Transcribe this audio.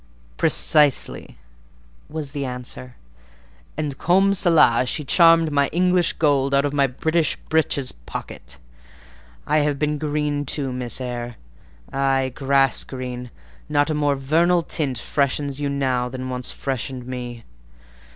"Pre cise ly!" was the answer; "and, 'comme cela,' she charmed my English gold out of my British breeches' pocket. I have been green, too, Miss Eyre,—ay, grass green: not a more vernal tint freshens you now than once freshened me.